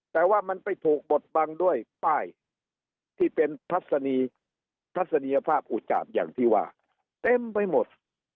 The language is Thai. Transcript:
แต่ว่ามันไปถูกบดบังด้วยป้ายที่เป็นทัศนีทัศนียภาพอุจจาบอย่างที่ว่าเต็มไปหมด